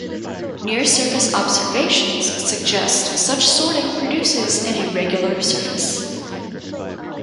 Near-surface observations suggest such sorting produces an irregular surface.